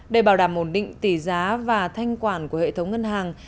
để bảo đảm ổn định tỷ giá và thanh quản của hệ thống ngân hàng